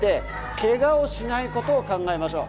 けがをしないことを考えましょう。